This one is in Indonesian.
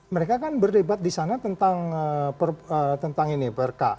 mereka kan berdebat di sana tentang ini perka